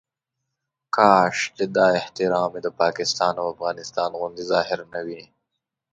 کاش چې دا احترام یې د پاکستان او افغانستان غوندې ظاهري نه وي.